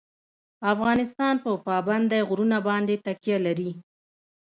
افغانستان په پابندی غرونه باندې تکیه لري.